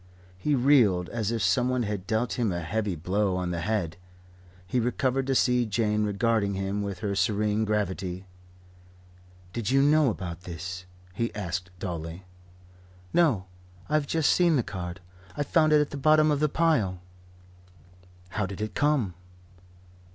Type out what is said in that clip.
He reeled, as if someone had dealt him a heavy blow on the head. He recovered to see Jane regarding him with her serene gravity. "Did you know about this?" he asked dully. "No. I've just seen the card. I found it at the bottom of the pile." "How did it come?"